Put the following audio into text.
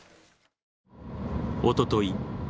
おととい